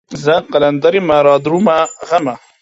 زه قلندر يمه رادرومه غمه